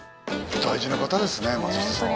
大事な方ですね松下さんはね